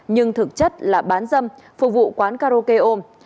nhưng thực chất là bán dâm phục vụ quán karaoke ôm